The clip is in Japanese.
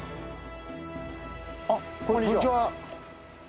あっこんにちは。